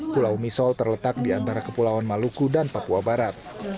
pulau misol terletak di antara kepulauan maluku dan papua barat